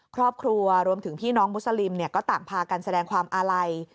ครอบครัวรวมถึงพี่น้องมุษลิมเนี่ยก็ต่างพากันแสดงความอาลัย